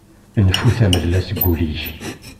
Nfu tamella seg ul-ik!